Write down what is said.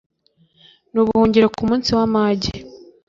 n’ubuhungiro ku munsi w’amage